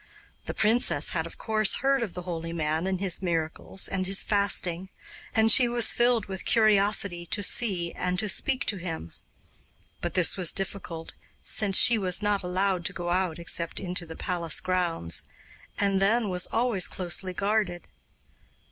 The princess had of course heard of the holy man and of his miracles and his fasting, and she was filled with curiosity to see and to speak to him; but this was difficult, since she was not allowed to go out except into the palace grounds, and then was always closely guarded.